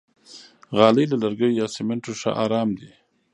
غالۍ له لرګیو یا سمنټو ښه آرام دي.